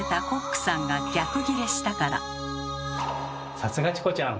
さすがチコちゃん！